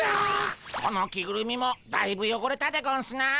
この着ぐるみもだいぶよごれたでゴンスな。